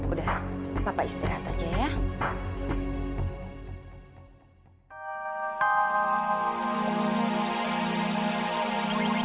udah bapak istirahat aja ya